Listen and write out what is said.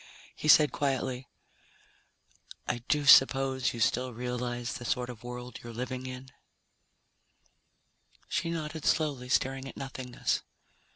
He said quietly, "I do suppose you still realize the sort of world you're living in?" She nodded slowly, staring at nothingness.